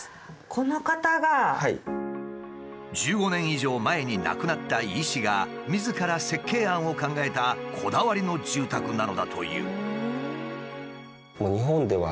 １５年以上前に亡くなった医師がみずから設計案を考えたこだわりの住宅なのだという。